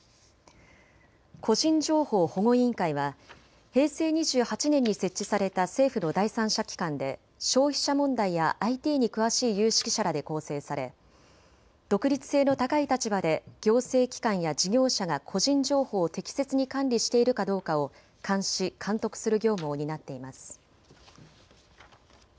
個人情報保護委員会は平成２８年に設置された政府の第三者機関で消費者問題やＩＴに詳しい有識者らで構成され独立性の高い立場で行政機関や事業者が個人情報を適切に管理しているかどうかを監視・監督する業務を担っています。